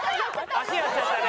足やっちゃったね。